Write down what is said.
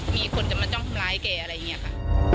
มีคนจะมาจ้องทำร้ายแกอะไรอย่างนี้ค่ะ